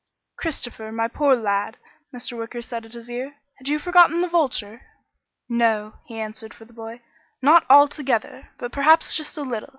"Christopher, my poor lad," Mr. Wicker said at his ear, "had you forgotten the Vulture? "No," he answered for the boy, "not altogether, but perhaps just a little.